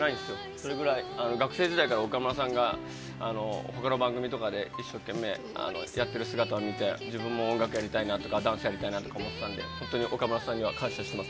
それぐらい学生時代から岡村さんがほかの番組とかで、一生懸命やっている姿を見て、自分も音楽やりたいなとか、ダンスやりたいなとか思ってたんで、本当に岡村さんには感謝しています。